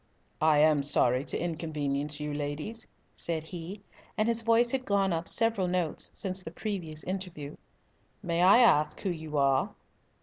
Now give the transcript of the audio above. "I am sorry to inconvenience you, ladies," said he, and his voice had gone up several notes since the previous interview. "May I ask who you are?"